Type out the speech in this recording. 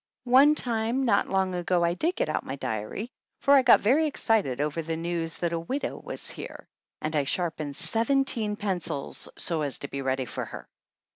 One time not long ago I did get out my diary, for I got very excited over the news that a widow was here, and I sharpened seventeen pen cils so as to be ready for her.